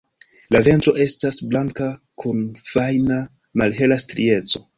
La ventro estas blanka kun fajna malhela strieco.